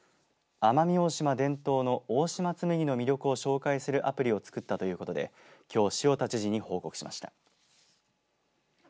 奄美大島伝統の大島紬の魅力を紹介するアプリを作ったということできょう塩田知事に報告しました。